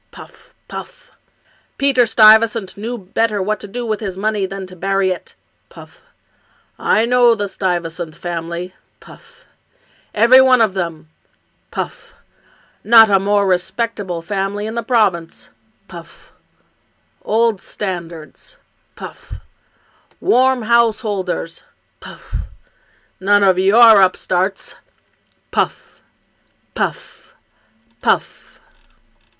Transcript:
(puff — puff). Peter Stuyvesant knew better what to do with his money than to bury it (puff). I know the Stuyvesant family (puff), every one of them (puff) ; not a more respectable family in the province (puff) — old standards (puff) — warm householders (puff) — none of your upstarts (puff — puff — puff).